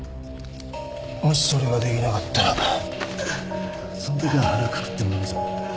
もしそれができなかったらその時は腹くくってもらうぞ。